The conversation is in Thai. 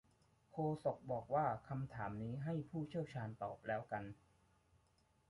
โฆษกบอกว่าคำถามนี้ให้ผู้เชี่ยวชาญตอบแล้วกัน